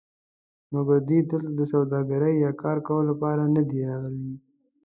مګر دوی دلته د سوداګرۍ یا کار کولو لپاره ندي راغلي.